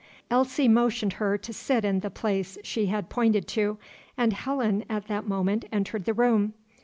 Elsie motioned her to sit in the place she had pointed to, and Helen at that moment entered the room.